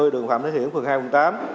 đường phạm thế hiển phường hai trăm linh tám